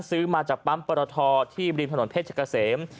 ซื้อมาจากปั๊มปรทที่ริมถนนเพชรเกษม